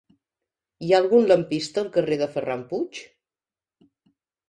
Hi ha algun lampista al carrer de Ferran Puig?